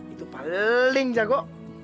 itu paling jago